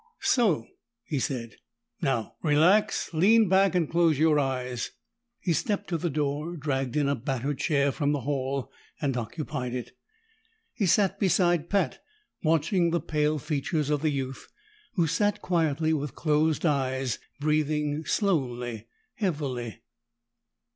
"So!" he said. "Now relax. Lean back and close your eyes." He stepped to the door, dragged in a battered chair from the hall, and occupied it. He sat beside Pat, watching the pale features of the youth, who sat quietly with closed eyes, breathing slowly, heavily.